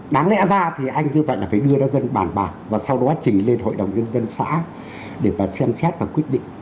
đáng lẽ ra thì anh như vậy là phải đưa ra dân bản bạc và sau đó trình lên hội đồng nhân dân xã để mà xem xét và quyết định